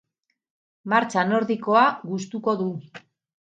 Martxa nordikoa gustuko du.